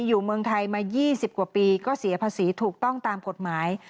อยู่เมืองไทยมา๒๐กว่าปีก็เสียภาษีถูกต้องตามกฎหมาย